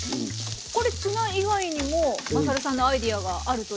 これツナ以外にもまさるさんのアイデアがあるというふうに。